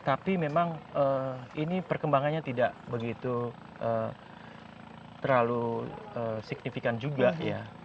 tapi memang ini perkembangannya tidak begitu terlalu signifikan juga ya